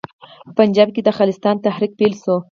په پنجاب کې د خالصتان تحریک پیل شو.